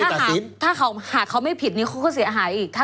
เออใช่ถ้าเขาหากเขาไม่ผิดนี่เขาก็เสียหายอีก